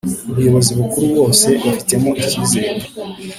ubuyobozi bukuru bose bafitemo icyizere